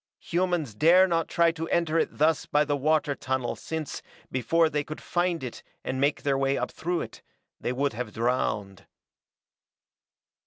Humans dare not try to enter it thus by the water tunnel, since, before they could find it and make their way up through it, they would have drowned.